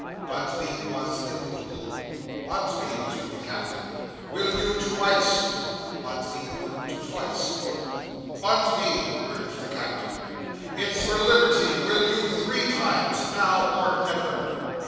Bunsby was immovable. "Bunsby!" whispered the Captain, "will you twice?" Bunsby wouldn't twice. "Bunsby!" urged the Captain, "it's for liberty; will you three times? Now or never!"